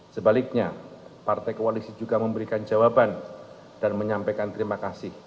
sebaliknya partai koalisi juga memberikan jawaban dan menyampaikan terima kasih